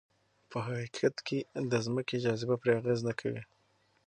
په حقیقت کې د ځمکې جاذبه پرې اغېز نه کوي.